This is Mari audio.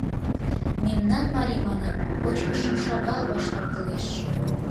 Мемнан марий, манам, кочкышым шагал вашталтылеш.